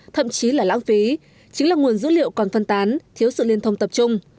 thậm chí là lãng phí chính là nguồn dữ liệu còn phân tán thiếu sự liên thông tập trung